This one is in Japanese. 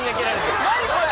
何これ⁉